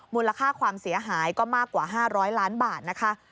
มูลค่าความเสียหายก็มากกว่า๕๐๐ล้านบาทนะคะ